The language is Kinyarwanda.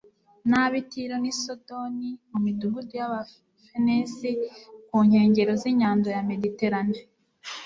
n'ab'i Tiro n'i Sidoni mu midugudu y'Abafenisi ku nkengero z'inyanja ya Mediterane.